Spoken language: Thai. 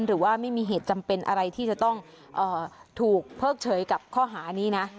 หรือว่าไม่มีเหตุจำเป็นอะไรที่จะต้องถูกเพิกเฉยกับข้อหานี้นะ